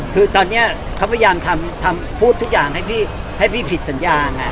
คือตอนนี้เขาพยายามทำพูดทุกอย่างให้พี่ผิดสัญญาไง